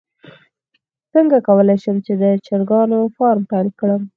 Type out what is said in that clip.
څنګه کولی شم د چرګانو فارم پیل کړم